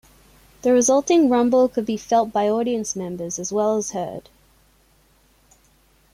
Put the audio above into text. The resulting rumble could be felt by audience members as well as heard.